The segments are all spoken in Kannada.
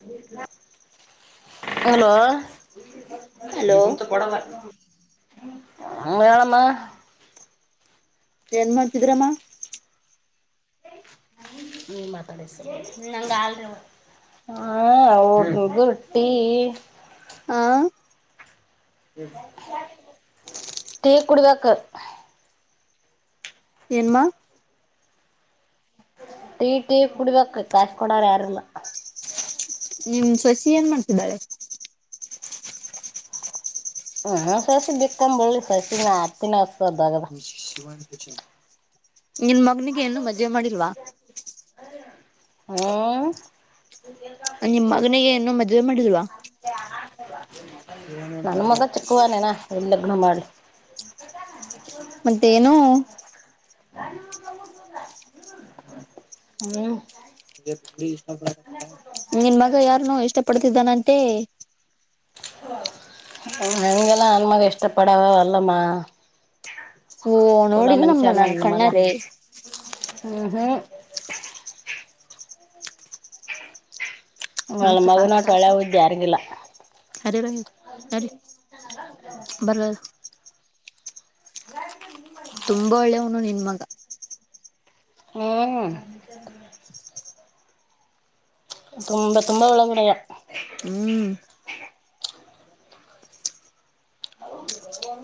ಹ ಹ [unintelligible] ಹಲೋ ಹಲೋ ನಿಂತ ಕೊಡಾಲ [inaudible] ಹ ಮೇಳಮ್ಮ ಏನ್ ಮಾಡತಿದ್ರಮ್ಮ ನೀ ಮಾತಾಡ ನಂಗಗೆ ಆಲ್ರಿವ [unintelligible] ಹಾ ಅವರದು ರುಟ್ಟಿ [unintelligible] ಹ ಟೀ ಕುಡಿಬೇಕ ಏನ್ಮ್ಮ ಟೀ ಟೀ ಕುಡ್ಬೇಕ ಕಾಯಿಸಿ ಕೊಡ್ಯಾರ ಯಾರಿಲ್ಲ ನಿಮ್ ಸಸಿ ಏನ್ ಮಾಡ್ತಿದ್ದಾಳೆ ಹ ಸಸಿ ಬಿಕ್ಕಂಬಂಬಳ್ಳಿ ಸಸಿಿನ ಅತ್ತಿನ ನಿನ್ ಮಗನಿಗೆ ನು ಮದುವೆ ಮಾಡಿಲ್ವಾ ಹಾಆ [unintelligible] ನಿಮ್ಮ್ ಮಗನಿಗೆ ಇನ್ನೂ ಮದು ನನ್ ಮಗ ಚಿಕ್ಕುವ ನೇನ ಎಲ್ಲಿ ಲಗ್ನ ಮಾಡಿ ದ ನ [unintelligible] ಮತ್ತೇನು ಹ್ಮ್ ನಿನ್ ಮಗ ಯಾರನೋ ಇಷ್ಟ ಪಡ್ತಿದ್ದಾನಂತೆ ಎಂಗಲ್ಲಾ ನನ್ಮಗೆ ಇಷ್ಟಪಡಾವ ಅಲ್ಲಮ್ಮ ಓ ಚಲೋ ನೋಡಿದನಮ್ಮ ಮನುಷ್ಯ ನಾನು ಕಣ್ಣಾರೆೇ ಹ ಹಾ ಹ ನನ್ನ ಸ್ವಲ್ಪ ಹಾಕ್ ಮಗನಟ [unintelligible] ಸಾಸ್ ಒಳ್ಳೆ ಬುದ್ಧಿ ಯಾರಿಗೂ ಇಲ್ಲಾ ಬರ [unintelligible] [unintelligible] ಮಗಾ ಹ್ಮ್ ತುಂಬಾ ತುಂಬಾ ಒಳಗಡೆಯಾ ಹ್ಮ್ ಹೌದು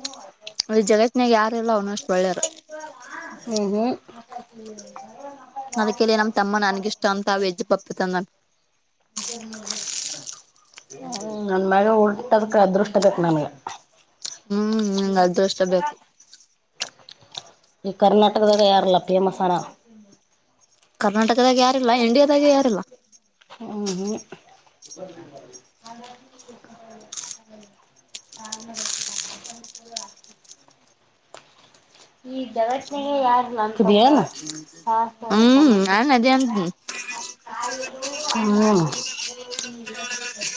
ನು ಇ ಜಗತ್ತನ್ಯಾಗ ಯಾರಿಲ್ಲಾ ಅವನ ಅಷ್ಟ ಒಳ್ಳೇಯವರ ಹ್ಮ ಹ್ಮ ಅದಕ್ಕೆಲ್ಲಿ ನಮ್ ತಮ್ಮ ನನ್ಗಿಷ್ಟ ಅಂತ ವೆಜ್ ಪಪ್ಪತಂದ ಜ ಹ್ಮ ನನ್ ಮಾಗ ಉಲ್ಟದಕ್ಕೆ ಅದೃಷ್ಟ ಬೇಕ ನನ್ಗ ಹ್ಮ್ ನಂಗಗೆ ಅದು ಇಷ್ಟ ಬೇಕು ಈ ಕರ್ನಾಟಕದ ತಯಾರಲ್ಲ ಪಿಯ ಮಸಾನ ಕರ್ನಾಟಕದಾಗ ಯಾರಿಲ್ಲ ಇಂಡಿಯಾದಾಗ ಯಾರಿಲ್ಲ ಹ್ಮ ಹಾ ಈ ಜಗಟ್ನೆೆಗೆ ಯಾರ್ ನಕಿದಯ ಹ ಹ್ಮ್ ನ ಅದೇ ಅಂತ ಹ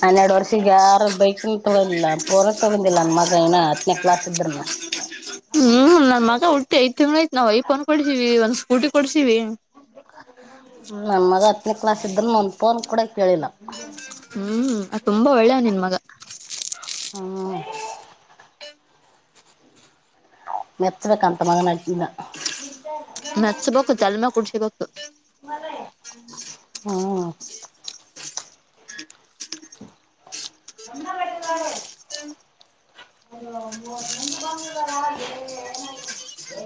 ಹನ್ನೆರಡು ವರ್ಷಗ ಯಾರ ಬೈಕ್ ತೊಗೊಂಡಿಲ್ಲ ಪೂರಕ್ ತಗೊಂಡಿಲ್ಲ ನನ್ ಮಗ ಏ ಹತ್ತನೇ ಕ್ಲಾಸ್ ಇದ್ರನ ಹ್ಮ್ ನನ್ ಮಗ ಹುಟ್ಟಿ ಐದ್ ತಿಂಗ್ಾಯತ್ ನಾವವು ಐಫನ್ ಕೊಡಿಸಿವವಿ ಒಂದ್ ಸ್ಕೂಟಿ ಕೊಡ್ಸಿವವಿ ್ಮ ನಮ್ಮ ಮಗ ಹತ್ತನೇ ಕ್ಲಾಸ್ ಇದ್ರ ಮಂದಪೋನ್ ಕೂಡ ಕೇಳಿಲ್ಲ ಹ್ಮ್ ಅದು ತುಂಬಾ ಒಳ್ಳೇ ನಿನ್ ಮಗ ಹ್ಮ ಮೆಚ್ಚಬೇಕಂತ ಮಂಗನಾಟಿಂದ ಮೆತ್ಸ್ಬೇಕು ಜಲ್ಮಾ ಕುಡ್ಸಿಬೇಕು ಹ್ಮ್ ಎಂದ ಮಾಡಡುವಾರು ಹಏ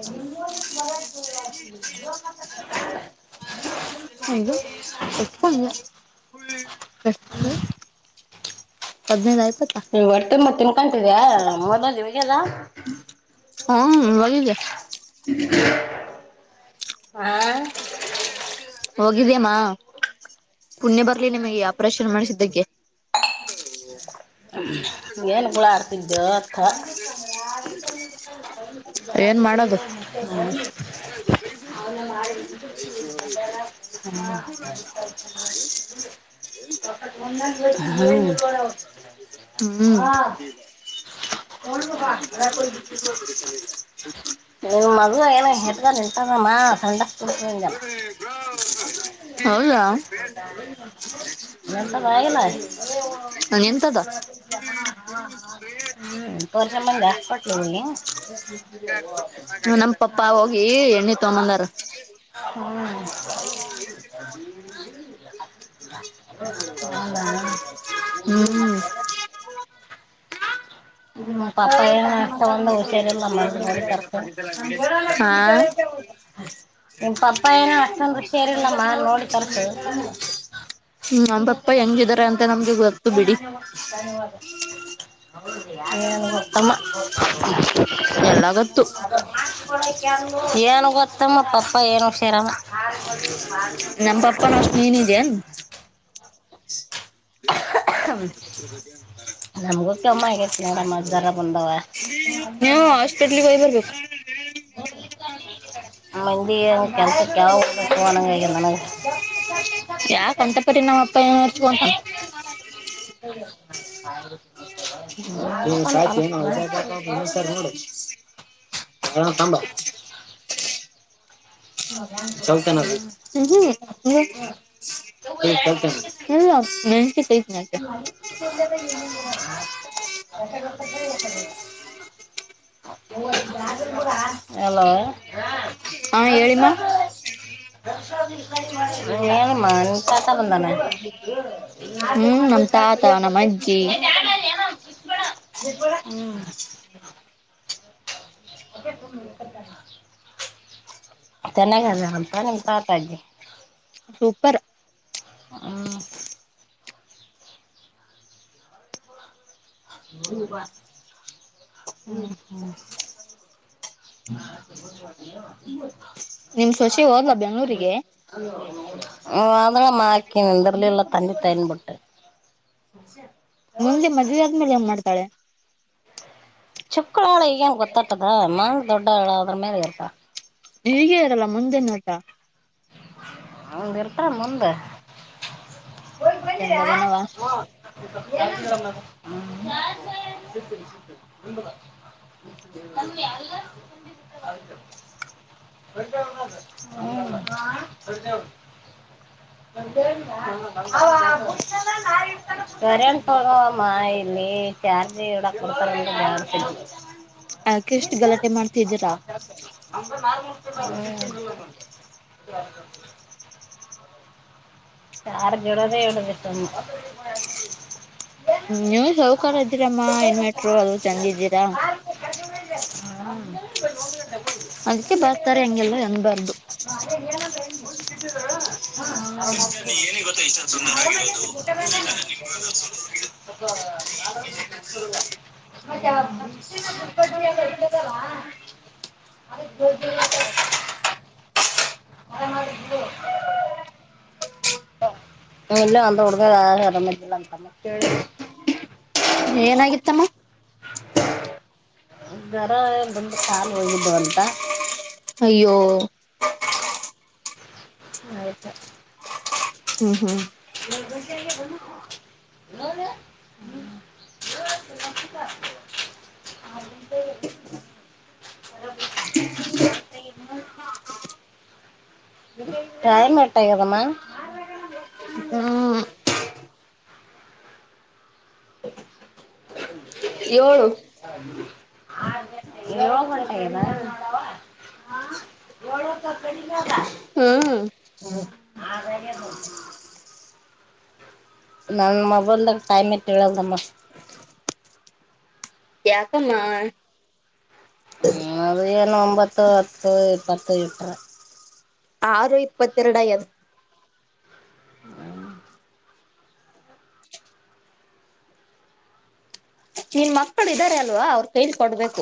ಹೂ ಮರಾ ಹೌದು ಹ್ಮ ಬಷ್ಟ ಅದನದಾಯ ನೀ ಹೊರ್ ತಿಂಬತ್ ತಿನ್ಕೊಂತಿದ್ಯಾ ನಮ್ಮರ್ ಬಂದ ಇವಾಗಲ್ಲ ಹ್ಮ ಹೋಗಿದ್ದ ಇ ಆ ಹೋಗಿದ್ಯಮ್ಮ ಪುಣ್ಯ ಬರ್ಲಿ ನಿಮಗೆ ಆಪರೇಷನ್ ಮಾಡಿಸಿದ್ದಕ್ಕೆ ಏನ್ ಗುಳ ಆಡ್ತಿದ್ದಥ ಏನ್ ಮಾಡೋದು ಹ್ಮ ಹ್ಮ್ ನಿನ್ ಮದುವ ಏನ ಹೆಟ್ಗ ನಿಂಟಾರಮ್ಮ ಸಂಡಸ ಜನ ಹೌದ ಮಂತಗ ಎಂತದ ಹ್ಮ್ ಪರ್ಷ ಮಂದ ಜಸ್ಪಟ್ಲಿ ಒೋಗಿ ನಮ್ಮ ಪಪ್ಪ ಹೋಗಿ ಎಣ್ಣೆ ತಗಂಬಂದಾರ ನೀ ಏನ್ ಹ ಹ್ಮ್ ಇ ಪಾಪ ಏನ್ ಒಷ ಸಲ್ಲಮ್ಮ ತರ್ಕ ಹದ ನೋಡಿ ತರ್ಸು ಹ್ಮ್ ನಮ್ಮ ಪಪ್ಪ ಹೆಂಗಿದಾರೆ ಅಂತ ನಮ್ಗೆ ಗೊತ್ತು ಬಿಡಿ ಏನು ಗೊತ್ತಮ್ಮ ಎಲ್ಲ ಗ ಏನು ಗೊತ್ತಮ್ಮ ಪಪ್ಪ ಏನು ಶಿರಮ್ಮ ಬಾಲ್ಮಣಿ ನಮ್ ಪಪ್ಪನ ಅಷ್ಟ್ ನೀನಿದೇನ್ ಬ ನಮ್ಗು ಕಮ್ಮ ಆಗೈತ್ ನೋಡಮ್ ಅದ್ ಜರ ಬಂದಾವ ನೀವು ಹಾಸ್ಪಿಟ್ಲ್ಗೆ ಹೋಗ್ ಬರ್ಬೇಕು ಕೆಲ್ಸ ಕಾವ ಯಾಕ ಅಂತ ಪರಿ ನಮ್ಮ ಅಪ್ಪ ಏನ್ ಹರ್ಚ್ಕೊಂತಾನ ಹ್ಮ ಸಾಚ ನ ನೋಡ್ಕೊಂತಾನ ಹದನು ಸ ನೋ ಹ ತಂಬ ಚೌಲ್ತಾನ ನನ್ ಸತ ಅಡೆ ಅಲೋ ಹಾ ಹೇಳಿಮ್ಮ ನನುಮ್ಮ ತತ ಬಂದಾನ ಹ್ಮ್ ನಮ್ ತಾತ ನಮ್ಮ ಅಜ್ಜಿ ಹ್ಮ ಅ ಪೂತತ ಚೆನ್ನಾಗಂತ ನಿಮ್ಮ ತಾತ್ಿ ಸೂಪರ್ ಹ ಹ್ಮ್ ಹ್ಮ್ ನಿಮ್ ಸೊಷೆ ಹೋದ್ಲ ಬೆಂಗಳೂರಿಗೆ ಹ್ಮ ಅದಳ ಮಾಕಿ ಎಂದರಲ್ಲಿಳ್ಳ ತನ್ನಿ ತೇನ್ಬೊಟ್ಟು ಮುಂದೆ ಮದ್ೆ ಆದ್ಮೇಲೆ ಹೆಂಗ್ ಮಾಡ್ತಾಳೆ ಚುಕ್ಕಳಾಳ ನ್ ಗೊತ್ತಟ್ಟದಾ ಮಾನ್ ದೊಡ್ಡ ಆಳಾದ್ರ ಮೇಲೆ ಇತ ಹೀಗ ಇರಲ್ಲ ಮುಂದೆ ನೋಟ ಹಂಗ ಇರ್ತಾರ ಮುಂದ ಹ ಬಂದಿರಾ ಹೆಂಗದನವ ಹ ಸ ಅ ಹ ಹದ ಸರೆನ್ೋಗುವಾಮ ಇಲ್ಲಿ ಚಾರ್ಜ ಎಡ ಕೊಡ್ತರ ಅಕೆ ಎಷ್ಟು ಗಲಾಟೆ ಮಾಡ್ತಿದ್ದೀರಾ ಹ ಚಾರ್ಜುರದ ಇಡು ಬಿಟ್ಟ ಹ್ಮ ನೀವ್ ಸೌಕಾರ ಇದ್ದೀರಮ್ಮ ಏನ್ಮಟರು ಅದು ಚಂಗಿದ್ದೀರಾ ಹ ಅದಕ್ಕೆ ಬರ್ತಾರೆ ಹೆಂಗೆಲ್ಲ ಅನ್ಬಾರ್ದು ಅದ ಏನ ಗೊತ್ತಾ ಇಷ್ಟ ಸುಂದರ ಆಗಿರೋದು ಮತ್ತೆುಬಜಿಾಗ ಇರ್ತದಲ್ಲ [inaudible] [inaudible] ಇಲ್ಲ ಅಂತಡುರಲ್ಲ ಅಂತ ಮಳ. ಏನಾಗಿತ್ತಮ್ಮ. ಗರ ಬಂದು ಕಾಲು ಹೋಗಿದ್ದು ಅಂತ. ಅಯ್ಯೋ. ಆಯ್ತಾ. ಹ್ಮ್ ಹ್ಮ್. [inaudible] [inaudible] [inaudible] ಟೈಮ ಎಟ ಅಗ್ಯದಮ್ಮ. ಹ್ಮ್ [inaudible] ಏಳು. ಹ ಯೋಳ ಗಂಟೆ ಆಗೇದ. ಏಳೋತ್ತು ಕಡಿದಾಗ. ಹ್ಮ್. [inaudible] ನನ್ ಮೊಬೈಲ್ದಾಗ ಟೈಮ್ ತಿಳಿಯಲ್ದ ಅಮ್ಮಾ. ಯಾಕಮ್ಮ. ಹ ಅದು ಏನು ಒಂಬತ್ತು ಹತ್ತು ಇಪ್ಪತ್ತು ಇಟ್ರ. ಆರೋ ಇಪ್ಪತ್ತೆರಡ ಆಗೇದ. [inaudible] ನಿನ್ ಮಕ್ಳು ಇದ್ದಾರೆ ಅಲ್ವಾ ಅವ್ರ ಕೈಲಿ ಕೊಡ್ಬೇಕು.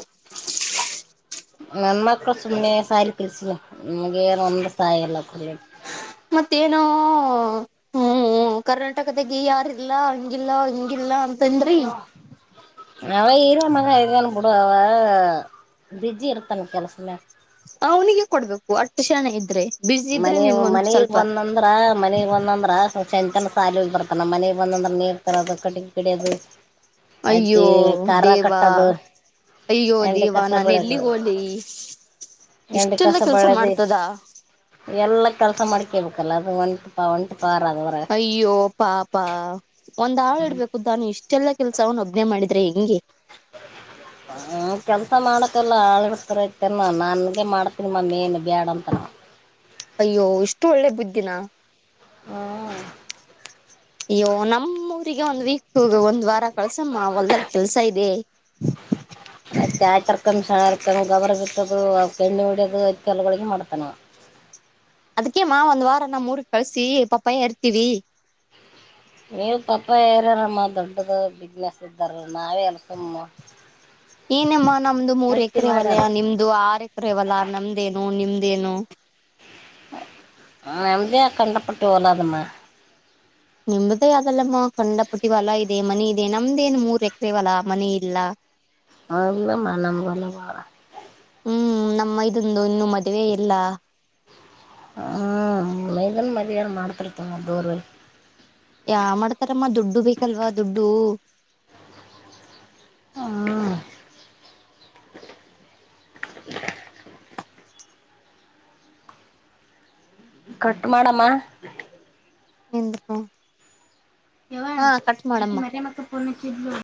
ನನ್ಮಕ್ಕಳ ಸುಮ್ಮನೆ ಸಾಲಿಗೆ ಕಲ್ಸಿದೆ ಒಂದ ಸಾಯಿಲ್ಲ. ಮತ್ತೇನ ಹ್ಮ. ಹ್ಮ ಕರ್ನಾಟಕದಾಗ ಯಾರಿಲ್ಲಾ ಹಂಗಿಲ್ಲ ಹಂಗಿಲ್ಲ ಅಂತ ಅಂದ್ರಿ. ಅವ ಇರ ಮಗ ಇದಾನ ಬಿಡು ಅವ ಬಿಜಿ ಇರ್ತಾನ ಕೆಲ್ಸದ ಮ್ಯಾಗ. ಅವನಿಗೆ ಕೊಡ್ಬೇಕು ಅಷ್ಟು ಶಾನ್ಯಾ ಇದ್ರೆ. ಬಿಸಿ ಇದ್ರೆ ಮನಿ ನೀನ್ ಒಂದ್ ಮನಿ ಗ್ ಸ್ವಲ್ಪ ಬಂದಂದ್ರ ಮನಿ ಗ್ ಬಂದಂದ್ರ ಸಂಚನ್ ಸಾಲ ಬರ್ತಾನ ಮನೆಗ್ ಒಂದೊಂದ್ರ ನೀರ ತರದು ಅದು ಕಟ್ಟಿಗೆ ಕಡಿಯೋದು. ಅತ್ತಿ ಅಯ್ಯೋ ಖಾರ ದೇವಾ. ಕಟ್ಟೋದು ಅಯ್ಯೋ ಎಂಡಿ ದೇವ ಕಸ ನಾನ ಬೆಳೆದು ಎಲ್ಲಿಗೆ ಹೋಗಲಿ. ಎಂಡಿ ಕಸ ಇಷ್ಟೆಲ್ಲ ಕೆಲ್ಸ ಬೆಳೆದು ಮಾಡ್ತದಾ. ಎಲ್ಲ ಕೆಲಸ ಮಾಡ್ಕೇಳ್ಬೇಕಲ್ಲ ಅದು ಒಂಟಪ ಒಂಟ ಅಯ್ಯೋ ಪಾಪಾ ಒಂದ ಆಳ ಇಡ್ಬೇಕುದ ತಾನು ಇಷ್ಟ ಎಲ್ಲ ಕೆಲ್ಸ ಅವ್ ಒಬ್ಬನೇ ಮಾಡಿದ್ರೆ ಹೆಂಗೆ. ಹ್ಮ ಕೆಲ್ಸ ಮಾಡಕಲ್ಲ ಆಳ್ ಹಯತನ ನನ್ಗೆೇ ಮಾಡ್ತೀನಿ ಮಮ್ಮ ನು ಬ್ಯಾಡ ಅಂತ. ಅಯ್ಯೋ ಇಷ್ಟು ಒಳ್ಳೆ ಬುದ್ಧಿನ. ಹ್ಮ. ಅಯ್ಯ ನಮ್ಮ ಊರಿಗೆ ಒಂದ್ ವೀಕ್ ಒಂದ್ ವಾರ ಕಳ್ಸಮ್ಮ ಹೊಲ್ದಲ್ ಕೆಲ್ಸ ಇದೆ. [inaudible] [unintelligible] ಕ್ ಸಣಕ್ ಗೊಬರ ಬಿತ್ತದು ಅವಕ ಎಣ್ಣಿ ಹೊಡಿಯೋದು ಇತ್ಯಲ್ಲಗಳಿಗೆ ಮಾಡ್ತಾನ. ಅದಕೇಮ್ಮ ಒಂದ್ ವಾರ ನಮ್ಮ ಮೂರ್ ಕಳ್ಸಿ ಪಾಪಯಾ ಹರ್ತೀವಿ. ನೀವು ಪಾಪ್ಪ ಏರ್ಯಾರಮ್ಮ ದೊಡ್ಡದು ಬಿಸ್ನೆಸ್ ಇದ್ದಾರ ನಾವೇಲ್ಲಿ ಸುಮ್ಮ. ಏನಮ್ಮ ನಮ್ದು ಮೂರ್ ಹತ್ತಿ ಮಾಡ್ಯಾರ ಎಕರೆವಲ್ಲಯ ನಿಮ್ದು ಆರ್ ಎಕರೆವಲ್ಲಾ ನಮ್ದೇನು ನಿಮ್ದ. ಏನು. ನಮದ ಕಂಡಪಟ್ಟ ಹೊಲ ಅದಮ್ಮ. ನಿಮ್ದೇ ಅದಲ್ಲಮಾ ಕಂಡಾಪಟ್ಟಿಹೊಲಾ ಇದೆ ಮನಿ ಇದೆ ನಮ್ದೇನ್ ಮೂರ್ ಎಕರೆಹೊಲಾ ಮನಿ ಇಲ್ಲಾ. ಹೌದಮ್ಮ ನಮ ಹೊಲ ಬಾಳ. ಹ್ಮ್ ನಮ್ಮ ಮೈದುಂದು ಇನ್ನು ಮದುವೆ ಇಲ್ಲ. ಹ್ಮ ಮನ್ ಮದ ಮಾಡ್ತಿರ್ತಮ್ಮ ದೂರ ಯಾ ಮಾಡ್ತಾರಮ್ಮ ದುಡ್ಡು ಬೇಕಲ್ವಾ ದುಡ್ಡು. ಹ್ಮ. ಕಟ್ ಮಾಡಮ್ಮಾ. ಎಂದಕ. ಯವಾ ಅಕಿ ಮರಿಯಮ್ಮ ಅಕ್ಕಾ ಫೋನ್ ಹಚ್ಚಿ ದಲು.